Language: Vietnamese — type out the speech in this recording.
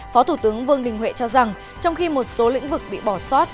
phó thủ tướng vương đình huệ cho rằng trong khi một số lĩnh vực bị bỏ sót